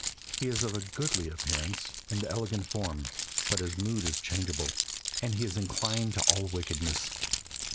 He is of a goodly appearance and elegant form, but his mood is changeable, and he is inclined to all wickedness.